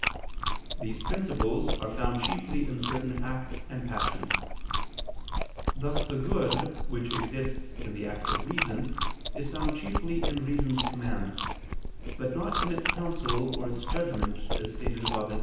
These principles are found chiefly in certain acts and passions. Thus the good which exists in the act of reason, is found chiefly in reason's command, but not in its counsel or its judgment, as stated above (Q.